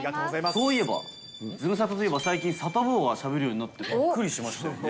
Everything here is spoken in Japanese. そういえば、ズムサタといえば、最近、サタボーがしゃべるようになってびっくりしましたよね。